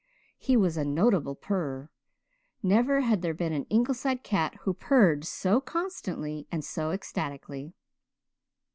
He was a notable purrer; never had there been an Ingleside cat who purred so constantly and so ecstatically.